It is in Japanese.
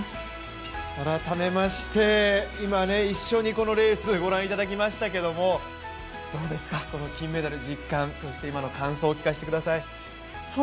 改めまして、今、一緒にこのレースをご覧いただきましたけどどうですか、この金メダルの実感、そして感想を教えてください。